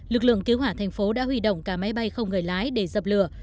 lực lượng cứu hỏa thành phố đã huy động cả máy bay không người lái để dập lửa